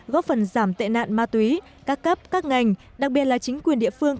góp phần giảm tệ nạn ma túy các cấp các ngành đặc biệt là chính quyền địa phương